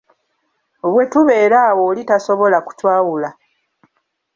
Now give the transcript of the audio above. Bwe tubeera awo oli tasobola kutwawula.